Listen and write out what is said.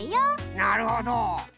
なるほど。